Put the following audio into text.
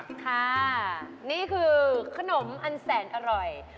ค่ะนี่คือขนมอันแสนอร่อย